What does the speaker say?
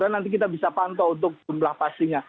nanti kita bisa pantau untuk jumlah pastinya